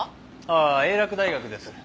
ああ英洛大学です。